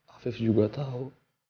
abib juga tau